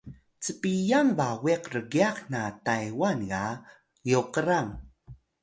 cpiyang bawiq rgyax na Taywan ga Gyokrang